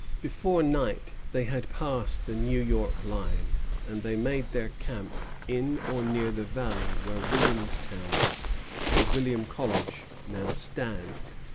Before night they had passed the New York line, and they made their camp in or near the valley where Williamstown and Williams College now stand.